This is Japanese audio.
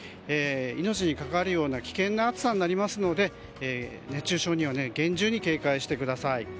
命に関わるような危険な暑さになるので熱中症には厳重に警戒してください。